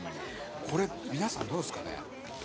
これ皆さんどうですかね？